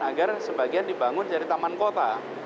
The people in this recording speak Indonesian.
agar sebagian dibangun dari taman kota